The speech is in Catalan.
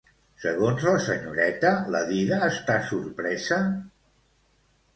Segons la senyoreta, la dida està sorpresa?